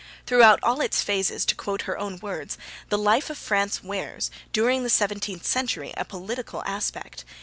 Throughout all its phases to quote her own words 'the life of France wears, during the seventeenth century, a political aspect.